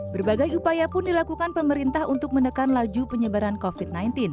berbagai upaya pun dilakukan pemerintah untuk menekan laju penyebaran covid sembilan belas